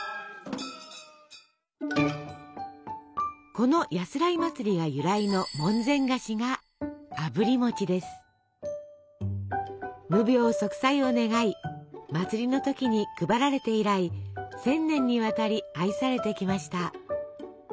この「やすらい祭」が由来の門前菓子が無病息災を願い祭りの時に配られて以来１，０００年にわたり愛されてきました。